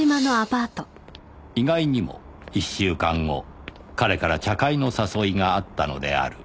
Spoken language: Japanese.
意外にも１週間後“彼”から茶会の誘いがあったのである